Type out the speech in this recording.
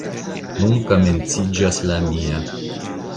Nun komenciĝas la mia».